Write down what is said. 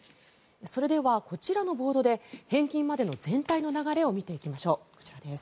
それではこちらのボードで返金までの全体の流れを見ていきましょう。